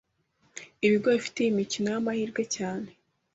Ibigo bifite iyi mikino y’amahirwe cyane